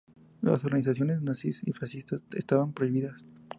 Las organizaciones nazis y fascistas estaban prohibidas.